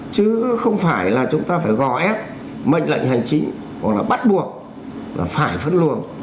chứ không phải là chúng ta phải gò ép mệnh lệnh hành chính hoặc là bắt buộc là phải phân luồng